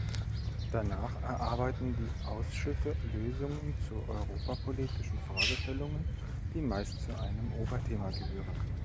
Danach erarbeiten die Ausschüsse Lösungen zu europapolitischen Fragestellungen, die meist zu einem Oberthema gehören.